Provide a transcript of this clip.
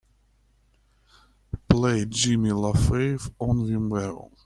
Play Jimmy Lafave on Vimeo.